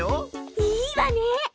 いいわね！